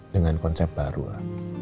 dengan konsep baru lah